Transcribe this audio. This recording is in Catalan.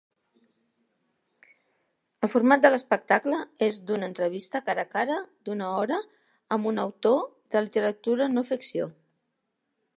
El format de l'espectacle és d'una entrevista cara a cara d'una hora amb un autor de literatura no ficció.